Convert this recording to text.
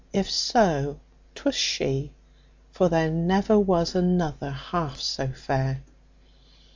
If so, 'twas she, for there never was another half so fair.